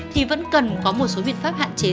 thì vẫn cần có một số biện pháp hạn chế